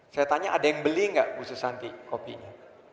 saya tanya ada yang beli enggak ibu susanti kopinya